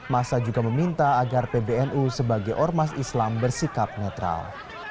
masa juga meminta agar pbnu sebagai ormas islam bersikap netral